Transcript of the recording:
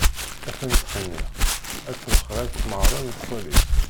Att-an tḥennek, ad truḥ ɣer tmeɣra n xwali-s.